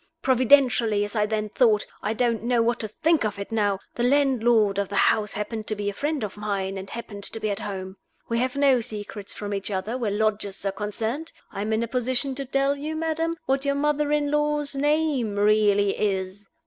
Providentially, as I then thought I don't know what to think of it now the landlord of the house happened to be a friend of mine, and happened to be at home. We have no secrets from each other where lodgers are concerned. I am in a position to tell you, madam, what your mother in law's name really is.